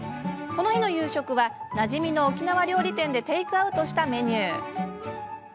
この日の夕食はなじみの沖縄料理店でテイクアウトしたメニュー。